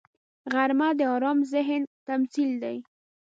غرمه د آرام ذهن تمثیل دی